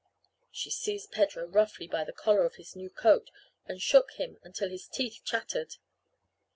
She seized Pedro roughly by the collar of his new coat and shook him until his teeth chattered.